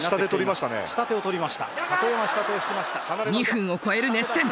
２分を超える熱戦。